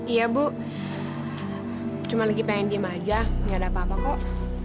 iya bu cuma lagi pengen diem aja gak ada apa apa kok